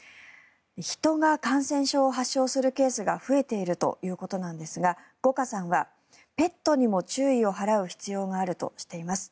人が感染症を発症するケースが増えているということですが五箇さんはペットにも注意を払う必要があるとしています。